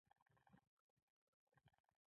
دوی هغې پانګې ته اړتیا لري چې په بانکونو کې ده